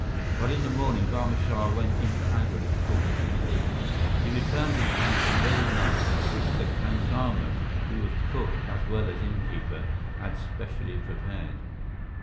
But in the morning, Barma Shah went into Agra to talk to the police. He returned in time for an early lunch which the khansama, who was cook as well as innkeeper, had specially prepared.